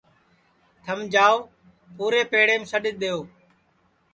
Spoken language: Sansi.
تھم جاؤ پُورے پیڑیم سڈؔ دؔیئو